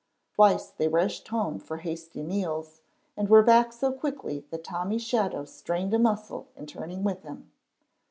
Twice they rushed home for hasty meals, and were back so quickly that Tommy's shadow strained a muscle in turning with him.